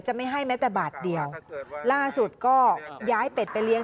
ไม่ให้แม้แต่บาทเดียวล่าสุดก็ย้ายเป็ดไปเลี้ย